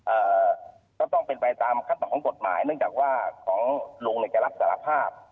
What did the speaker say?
เอ่อก็ต้องเป็นไปตามขั้นตอนของกฎหมายเนื่องจากว่าของลุงเนี่ยแกรับสารภาพ